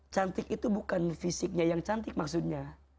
cantik itu bukan fisiknya yang cantik maksudnya